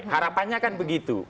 harapannya kan begitu